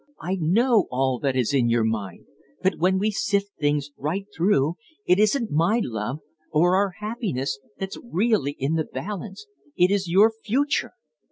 I know all that is in your mind. But, when we sift things right through, it isn't my love or our happiness that's really in the balance. It is your future!"